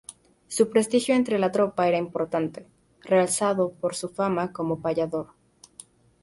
Su prestigio entre la tropa era importante, realzado por su fama como payador.